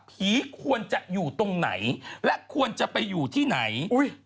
ควรจะอยู่ตรงไหนและควรจะไปอยู่ที่ไหน